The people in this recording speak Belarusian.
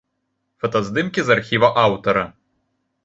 Фотаздымкі з архіва аўтара.